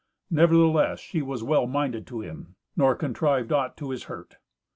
Nevertheless she was well minded to him, nor contrived aught to his hurt.